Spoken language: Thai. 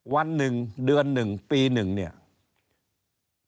วันหนึ่งเดือนหนึ่งปีหนึ่งเนี่ย